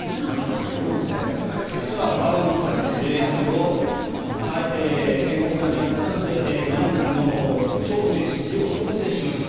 川内さん、レース後天候から逆算して前の日の勝負飯量を調整しました。